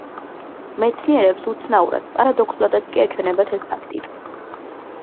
მეცნიერებს უცნაურად, პარადოქსულადაც კი ეჩვენათ ეს ფაქტი.